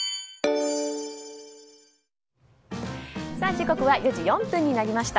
時刻は４時４分になりました。